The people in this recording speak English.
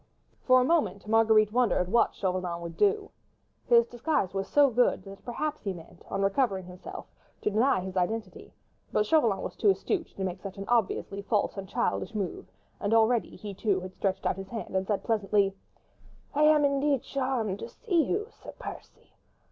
For a moment Marguerite wondered what Chauvelin would do. His disguise was so good that perhaps he meant, on recovering himself, to deny his identity: but Chauvelin was too astute to make such an obviously false and childish move, and already he too had stretched out his hand and said pleasantly,— "I am indeed charmed to see you, Sir Percy.